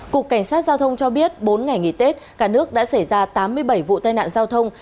cục cảnh sát giao thông cho biết bốn ngày nghỉ tết cả nước đã xảy ra tám mươi bảy vụ tai nạn giao thông